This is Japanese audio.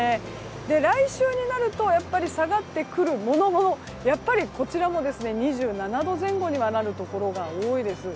来週になると下がってくるものの、こちらも２７度前後になるところが多いです。